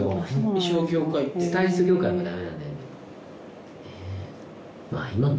衣装業界ってスタイリスト業界もダメなんだよね